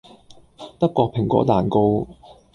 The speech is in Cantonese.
德國蘋果蛋糕